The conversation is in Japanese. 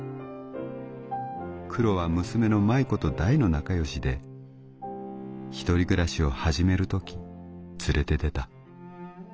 クロは娘の舞子と大の仲良しで一人暮らしを始める時連れて出た。